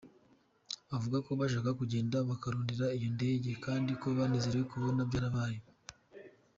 Avuga ko bashaka kugenda bakarondera iyo ndege kandi ko yanezerewe kubona vyarabaye.